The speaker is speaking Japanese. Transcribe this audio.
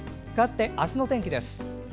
変わって、あすの天気です。